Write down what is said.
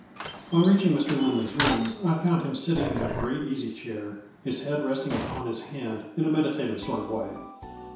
On reaching Mr. Lindley's rooms I found him sitting in a great easy chair, his head rest ing upon his hand in a meditative sort of way.